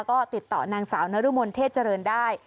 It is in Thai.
ก็ติดต่อนางสาวนรมนเทศเจริญได้